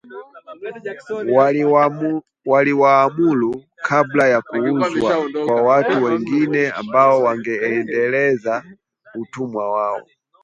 waliwanunua kabla ya kuuzwa kwa watu wengine; ambao wangeendeleza utumwa wao